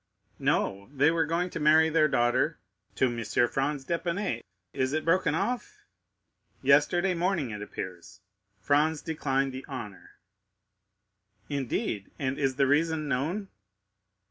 "No; they were going to marry their daughter——" "To M. Franz d'Épinay. Is it broken off?" "Yesterday morning, it appears, Franz declined the honor." "Indeed? And is the reason known?"